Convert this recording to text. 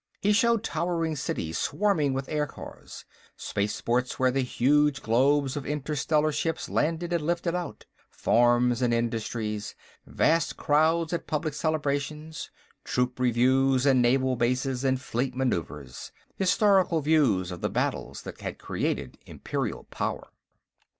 He showed towering cities swarming with aircars; spaceports where the huge globes of interstellar ships landed and lifted out; farms and industries; vast crowds at public celebrations; troop reviews and naval bases and fleet maneuvers; historical views of the battles that had created Imperial power.